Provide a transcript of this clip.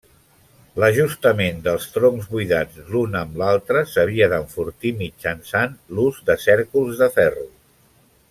L'ajustament dels troncs buidats l'un amb l'altre s'havia d'enfortir mitjançant l'ús de cèrcols de ferro.